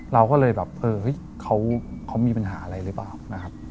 เราก็เลยแบบเฮ้ยเขามีปัญหาอะไรหรือเปล่า